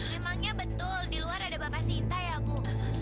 emangnya betul di luar ada bapak sinta ya bu